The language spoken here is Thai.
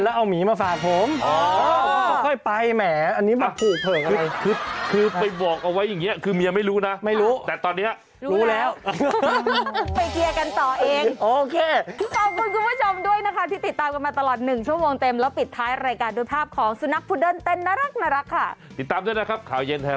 ได้ยินเสียงตุ๊ก